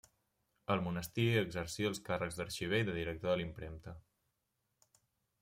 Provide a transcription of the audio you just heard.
Al monestir exercí els càrrecs d'arxiver i de director de la impremta.